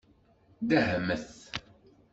Dehmet.